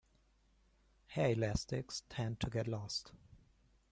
Hair elastics tend to get lost.